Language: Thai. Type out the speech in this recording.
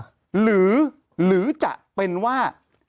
อย่างคือหรือจะเป็นว่า